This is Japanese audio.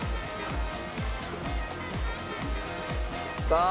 さあ。